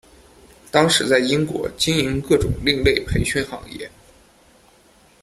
当时在英国经营各种另类培训行业。